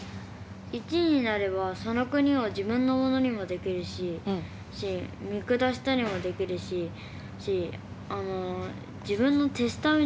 １位になればその国を自分のものにもできるし見下したりもできるしあの自分の手下みたいにその国をできる。